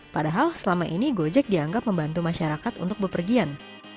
padahal selama ini gojek dianggap membantu masyarakat untuk bepergian